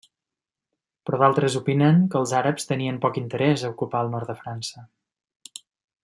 Però d'altres opinen que els àrabs tenien poc interès a ocupar el nord de França.